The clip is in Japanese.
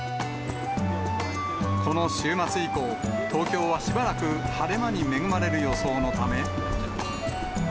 この週末以降、東京はしばらく晴れ間に恵まれる予想のため。